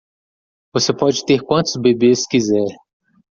Você pode ter quantos bebês quiser.